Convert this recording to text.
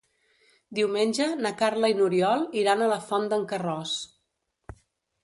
Diumenge na Carla i n'Oriol iran a la Font d'en Carròs.